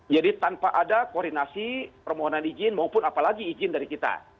jadi tanpa ada koordinasi permohonan izin maupun apalagi izin dari kita